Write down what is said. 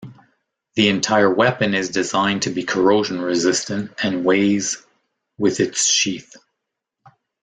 The entire weapon is designed to be corrosion resistant, and weighs with its sheath.